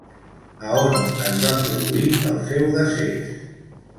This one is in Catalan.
A on es va produir el seu decés?